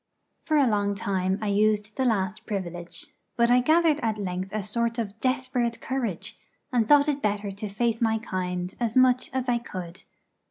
For a long time I used the last privilege; but I gathered at length a sort of desperate courage, and thought it better to face my kind as much as I could.